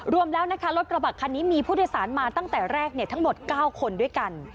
รวมแล้วนะคะรถกระบะคันนี้มีผู้โดยสารมาตั้งแต่แรกทั้งหมด๙คนด้วยกัน